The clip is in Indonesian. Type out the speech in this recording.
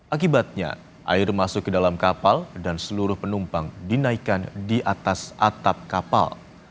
akibatnya air masuk ke dalam kapal dan seluruh penumpang dinaikkan di atas atap kapal